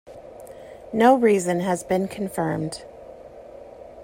No reason has been confirmed.